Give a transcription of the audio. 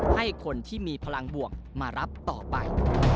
ให้คนที่มีพลังบวกมารับต่อไป